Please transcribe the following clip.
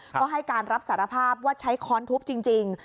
ก็ให้การรับสารภาพว่าใช้ค้อนทุบจริง